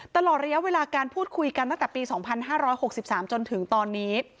ตลอดระยะเวลาการพูดคุยกันตั้งแต่ปี๒๕๖๓จนถึงตอนนี้